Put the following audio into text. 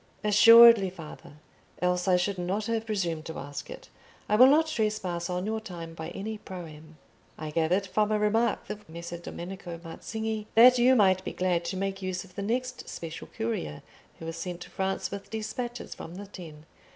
"Assuredly, father, else I should not have presumed to ask it. I will not trespass on your time by any proem. I gathered from a remark of Messer Domenico Mazzinghi that you might be glad to make use of the next special courier who is sent to France with despatches from the Ten.